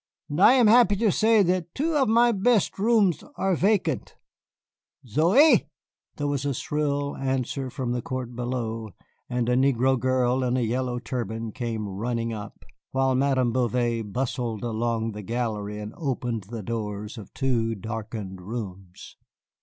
And I am happy to say that two of my best rooms are vacant. Zoey!" There was a shrill answer from the court below, and a negro girl in a yellow turban came running up, while Madame Bouvet bustled along the gallery and opened the doors of two darkened rooms.